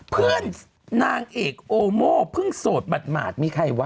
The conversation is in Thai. เพื่อนนางเอกโอโม่เพิ่งโสดหมาดมีใครวะ